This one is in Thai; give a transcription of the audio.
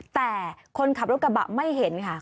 แต่คนขับรถกระบะไม่เห็นค่ะ